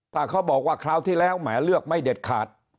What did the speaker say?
ถ้าเขาบอกว่าคราวที่แล้วแหมเลือกไม่เด็ดขาด